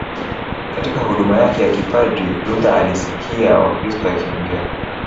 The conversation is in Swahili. Katika huduma yake ya kipadri Luther alisikia Wakristo wakiongea